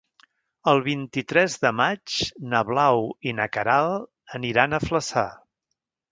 El vint-i-tres de maig na Blau i na Queralt aniran a Flaçà.